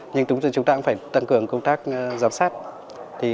nhưng chúng ta cũng phải tăng cường công tác giám sát